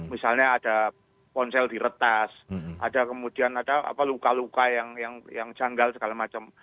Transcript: misalnya ada ponsel diretas ada kemudian ada luka luka yang janggal segala macam